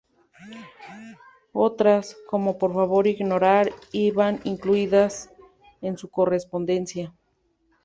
Otras, como "Por favor, ignorar", iban incluidas en su correspondencia.